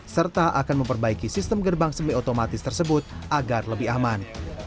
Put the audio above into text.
serta akan memperbaiki sistem gerbang semi otomatis tersebut agar lebih aman